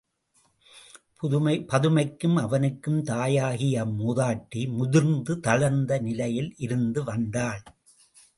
பதுமைக்கும் அவனுக்கும் தாயாகிய அம் மூதாட்டி முதிர்ந்த தளர்ந்த நிலையில் இருந்து வந்தாள்.